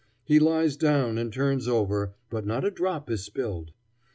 He lies down and turns over, but not a drop is spilled.